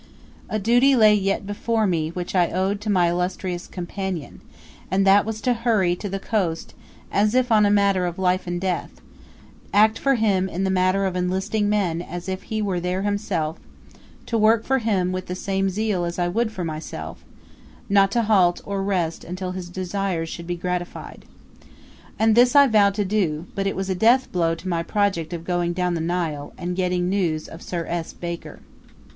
A duty lay yet before me which I owed to my illustrious companion, and that was to hurry to the coast as if on a matter of life and death act for him in the matter of enlisting men as if he were there himself to work for him with the same zeal as I would for myself not to halt or rest until his desires should be gratified, And this I vowed to do; but it was a death blow to my project of going down the Nile, and getting news of Sir S. Baker.